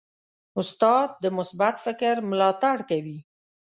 استاد د مثبت فکر ملاتړ کوي.